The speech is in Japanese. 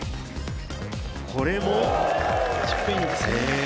これもチップインです。